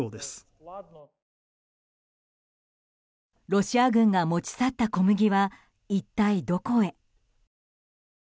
ロシア軍が持ち去った小麦は一体どこへ。